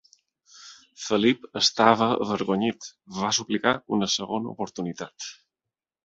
Felip estava avergonyit. Va suplicar una segona oportunitat.